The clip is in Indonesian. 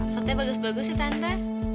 fotonya bagus bagus sih tante